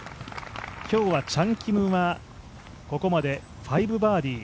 今日はチャン・キムは、ここまで５バーディー。